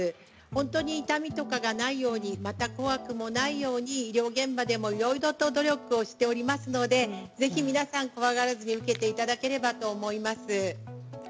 本当に痛みがないように怖くもないように医療現場でもいろいろと努力をしておりますのでぜひ皆さん怖がらずに受けていただければと思います。